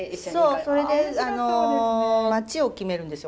そうそれで町を決めるんですよ